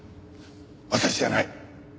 私じゃない。